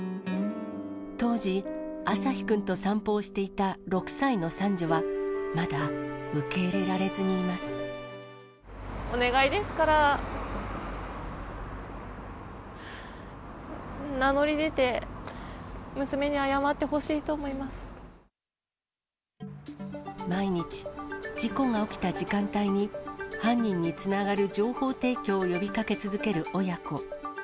当時、あさひくんと散歩をしていた６歳の三女は、お願いですから、名乗り出て、毎日、事故が起きた時間帯に、犯人につながる情報提供を呼びかけ続ける親子。